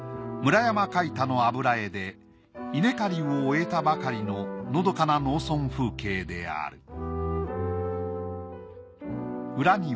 村山槐多の油絵で稲刈りを終えたばかりののどかな農村風景である。